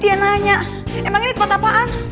dia nanya emang ini tempat apaan